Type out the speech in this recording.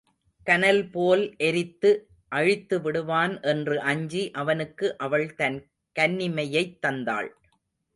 கனல் போல் எரித்து அழித்துவிடுவான் என்று அஞ்சி அவனுக்கு அவள் தன் கன்னிமையைத் தந்தாள்.